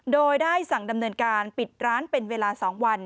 โดยได้สั่งดำเนินการปิดร้านเป็นเวลา๒วัน